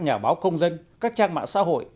nhà báo công dân các trang mạng xã hội